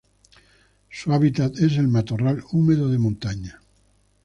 Su hábitat es el matorral húmedo de montaña.